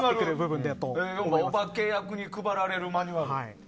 お化け役に配られるマニュアル。